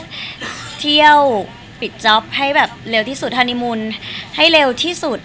คือคืนนี้อยากจะเที่ยวพิมพ์ที้ให้เร็วที่สุด